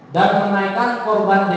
dan menaikkan korban dsa